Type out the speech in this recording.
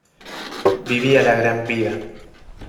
Vivía la gran vida